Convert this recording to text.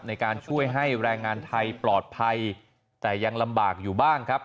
ในการช่วยให้แรงงานไทยปลอดภัยแต่ยังลำบากอยู่บ้างครับ